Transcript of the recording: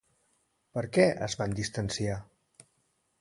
Per què es van distanciar?